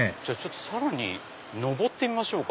さらに登ってみましょうか。